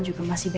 juga masih ada